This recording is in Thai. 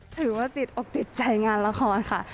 ถือว่าติดอกติดใจงานละครค่ะ